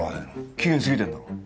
期限過ぎてるんだろ。